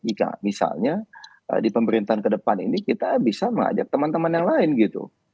jika misalnya di pemerintahan ke depan ini kita bisa mengajak teman teman yang lain gitu